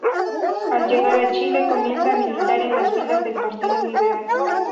Al llegar a Chile, comienza a militar en las filas del Partido Liberal.